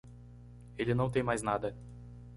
Ele não tem mais nada.